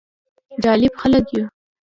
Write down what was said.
جالب خلک يو: